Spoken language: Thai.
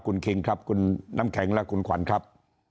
คุณคิงครับคุณน้ำแข็งและคุณขวัญครับ